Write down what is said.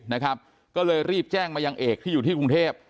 นะครับก็เลยรีบแจ้งมายังเอกที่อยู่ที่กรุงเทพ